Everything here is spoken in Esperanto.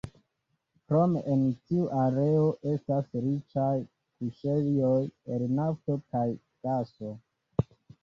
Krome en tiu areo estas riĉaj kuŝejoj el nafto kaj gaso.